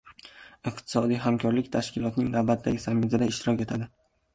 Iqtisodiy hamkorlik tashkilotining navbatdagi sammitida ishtirok etadi